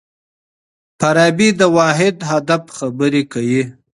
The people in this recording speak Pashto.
فارابي د واحد هدف خبري کوي.